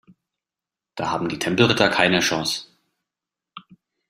Da haben die Tempelritter keine Chance.